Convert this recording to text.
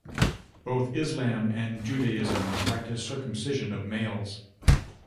Both Islam and Judaism practice circumcision of males.